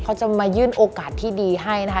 เขาจะมายื่นโอกาสที่ดีให้นะคะ